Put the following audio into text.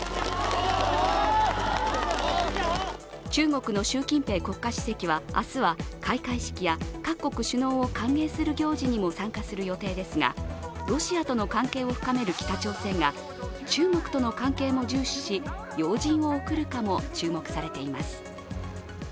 中国の習近平国家主席は明日は開会式や各国首脳を歓迎する行事にも参加する予定ですが、ロシアとの関係を深める北朝鮮が中国との関係も重視し、要人を送るかも注目されています。